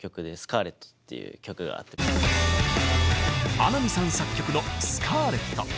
穴見さん作曲の「スカーレット」。